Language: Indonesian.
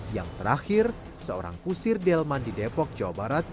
yang terakhir seorang kusir delman di depok jawa barat